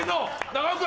長尾君。